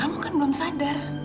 kamu kan belum sadar